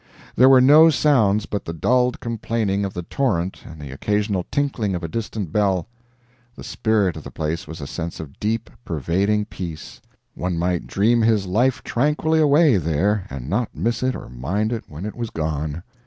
There were no sounds but the dulled complaining of the torrent and the occasional tinkling of a distant bell. The spirit of the place was a sense of deep, pervading peace; one might dream his life tranquilly away there, and not miss it or mind it when it was gone.